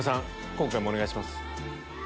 今回もお願いします。